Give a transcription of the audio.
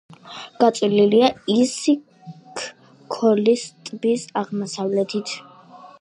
გაწოლილია ისიქ-ქოლის ტბის აღმოსავლეთით.